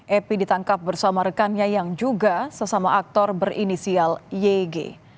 epi ditangkap bersama rekannya yang juga sesama aktor berinisial yg